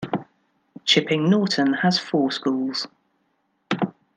Chipping Norton has four schools.